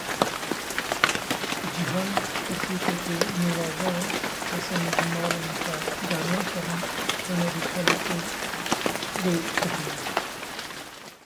Cîhan pirtûkeke nuwaze ye, kesên ji malên xwe dernakevin, tenê rûpeleke wê dixwînin.